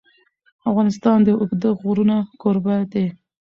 افغانستان د اوږده غرونه کوربه دی.